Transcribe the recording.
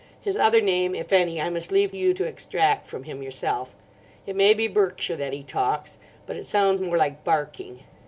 His other name, if any, I must leave you to extract from him yourself. It may be Berkshire that he talks, but it sounds more like barking.